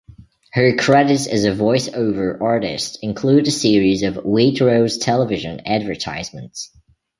Her credits as a voiceover artist include a series of Waitrose television advertisements.